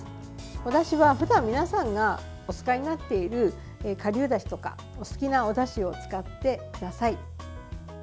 おだしは、ふだん皆さんがお使いになっているかりゅうだしとかお好きなおだしを使ってください。